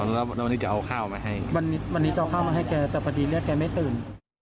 วันนี้จะเอาข้าวมาให้แกแต่พอดีเลือดแกไม่ตื่น